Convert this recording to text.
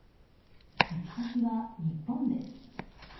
行き先は日本です。